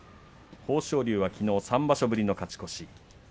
豊昇龍はきのう３場所ぶりの勝ち越し。